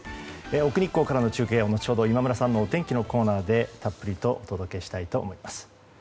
奥日光からの中継は、後ほど今村さんのお天気のコーナーでたっぷりとお届けしたいと思います。